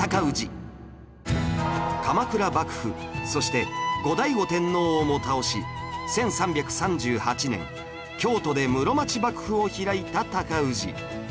鎌倉幕府そして後醍醐天皇をも倒し１３３８年京都で室町幕府を開いた尊氏